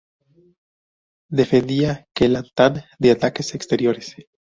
Defendía Kelantan de ataques exteriores.